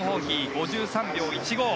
５３秒１５。